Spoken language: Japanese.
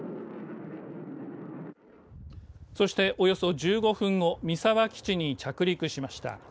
そして、およそ１５分後三沢基地に着陸しました。